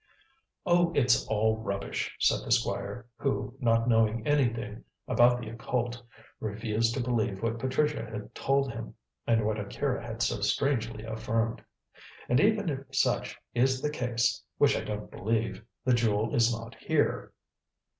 "Oh, it's all rubbish," said the Squire, who, not knowing anything about the occult, refused to believe what Patricia had told him, and what Akira had so strangely affirmed. "And even if such is the case which I don't believe the jewel is not here."